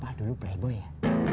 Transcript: bapak dulu playboy ya